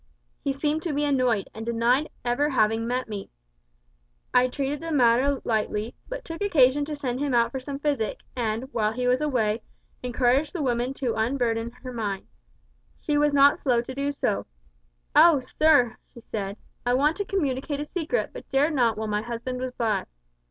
He seemed to be annoyed, and denied ever having met with me. I treated the matter lightly, but took occasion to send him out for some physic, and, while he was away, encouraged the woman to unburden her mind. She was not slow to do so. `Oh, sir,' she said, `I want to communicate a secret, but dared not while my husband was by.